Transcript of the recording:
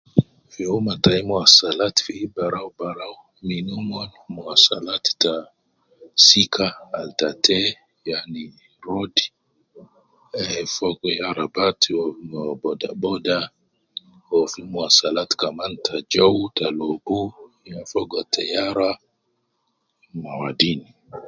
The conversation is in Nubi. Fi umma tai muasalat fi barau barau, min omon muasalat ta sika al ta te, yani road, ehh fogo yaa arabat wum bodaboda, wu fi muasalat kaman ta jouw, ta lobu ya fogo taera, ma wadin